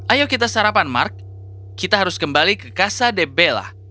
ayo kita sarapan mark kita harus kembali ke casa de bella